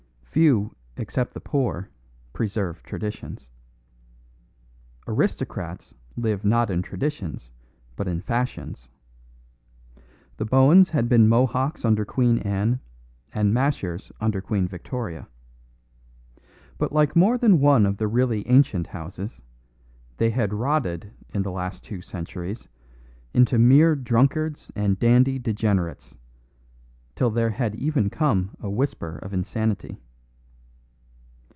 Few except the poor preserve traditions. Aristocrats live not in traditions but in fashions. The Bohuns had been Mohocks under Queen Anne and Mashers under Queen Victoria. But like more than one of the really ancient houses, they had rotted in the last two centuries into mere drunkards and dandy degenerates, till there had even come a whisper of insanity.